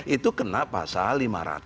itu kena pasal lima ratus tiga puluh dua